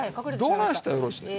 どないしたらよろしいねん。